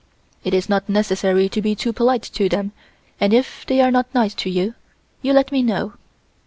It is not necessary to be too polite to them and if they are not nice to you, you let me know."